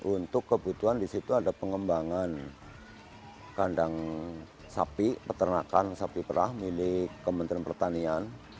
untuk kebutuhan di situ ada pengembangan kandang sapi peternakan sapi perah milik kementerian pertanian